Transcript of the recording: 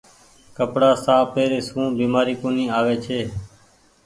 ڪپڙآ ساڦ پيري سون بيمآري ڪونيٚ آوي ڇي۔